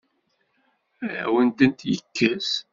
Ad awen-tent-yekkes?